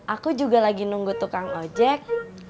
aku juga lagi nunggu tukang ojek